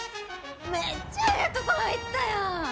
めっちゃええとこ入ったやん！